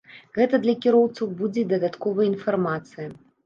Гэта для кіроўцаў будзе дадатковая інфармацыя.